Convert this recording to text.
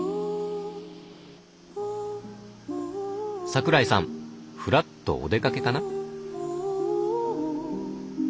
桜井さんフラッとお出かけかな？